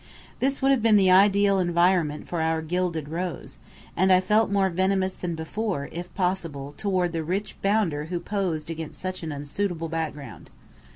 This would have been the ideal environment for our Gilded Rose; and I felt more venomous than before, if possible, toward the rich bounder who posed against such an unsuitable background.